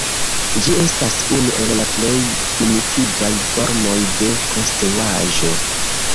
Ĝi estas unu el la plej primitivaj formoj de konstruaĵo.